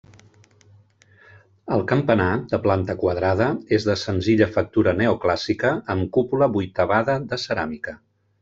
El campanar, de planta quadrada, és de senzilla factura neoclàssica, amb cúpula vuitavada de ceràmica.